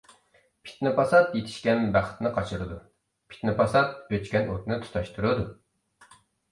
پىتنە-پاسات يېتىشكەن بەختنى قاچۇرىدۇ. پىتنە-پاسات ئۆچكەن ئوتنى تۇتاشتۇرىدۇ.